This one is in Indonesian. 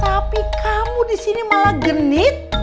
tapi kamu disini malah genit